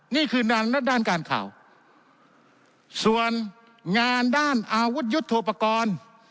นี่คือด้านการข่าวส่วนงานด้านอาวุธยุทธโปรกรณ์